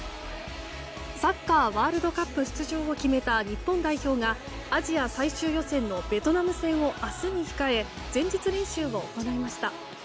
サッカーワールドカップ出場を決めた日本代表がアジア最終予選のベトナム戦を明日に控え前日練習を行いました。